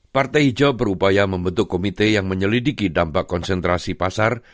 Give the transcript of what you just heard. partai hijau berupaya membentuk komite yang menyelidiki dampak konsentrasi pasar